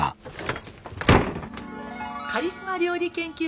カリスマ料理研究家